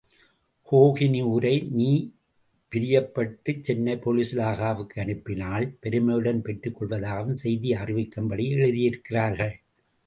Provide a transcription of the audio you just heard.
கோஹினுரை நீ பிரியப்பட்டு சென்னை போலீஸ் இலாகாவுக்கு அனுப்பினால், பெருமையுடன் பெற்றுக் கொள்வதாகவும் செய்தி அறிவிக்கும்படி எழுதியிருக்கிறார்கள்.